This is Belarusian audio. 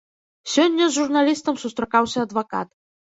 Сёння з журналістам сустракаўся адвакат.